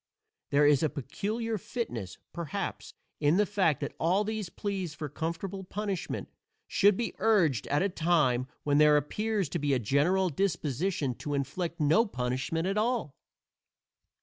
There is a peculiar fitness, perhaps, in the fact that all these pleas for comfortable punishment should be urged at a time when there appears to be a general disposition to inflict no punishment at all.